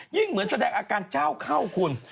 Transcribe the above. เหมือนแสดงอาการเจ้าเข้าคุณ